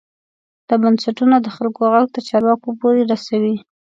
دا بنسټونه د خلکو غږ تر چارواکو پورې رسوي.